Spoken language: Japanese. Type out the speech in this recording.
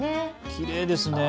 きれいですね。